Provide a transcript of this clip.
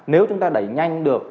nếu chúng ta đẩy nhanh được